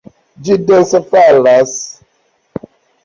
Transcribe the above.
Ĝi dense falas!